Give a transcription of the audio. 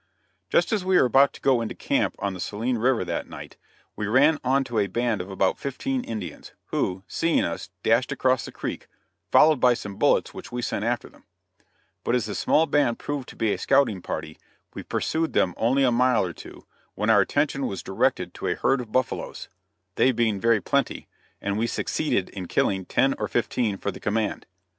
Just as we were about to go into camp on the Saline river that night, we ran on to a band of about fifteen Indians, who, seeing us, dashed across the creek, followed by some bullets which we sent after them; but as the small band proved to be a scouting party, we pursued them only a mile or two, when our attention was directed to a herd of buffaloes they being very plenty and we succeeded in killing ten or fifteen for the command.